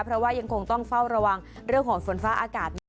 เพราะว่ายังคงต้องเฝ้าระวังเรื่องของฝนฟ้าอากาศนี้